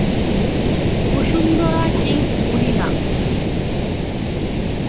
Bashundhara Kings মহিলা